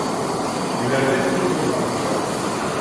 Йүләрҙең ише булмаҫ